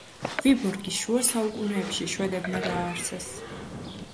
ვიბორგი შუა საუკუნეებში შვედებმა დააარსეს.